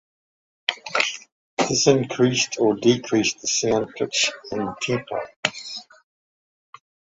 This increased or decreased the sound pitch and tempo.